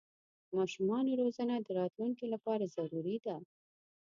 د ماشومانو روزنه د راتلونکي لپاره ضروري ده.